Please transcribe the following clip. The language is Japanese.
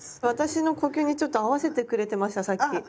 私の呼吸にちょっと合わせてくれてましたさっき？